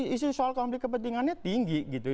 isu soal konflik kepentingannya tinggi gitu